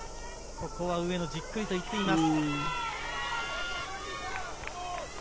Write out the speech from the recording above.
ここは上野、じっくりといっています。